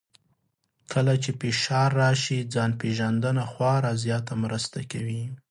کله چې فشار راشي، ځان پېژندنه خورا زیاته مرسته کوي.